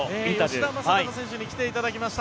吉田正尚選手に来ていただきました